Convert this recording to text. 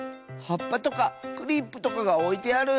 はっぱとかクリップとかがおいてある。